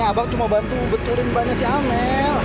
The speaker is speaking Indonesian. nih abang cuma bantu betulin bahannya si amel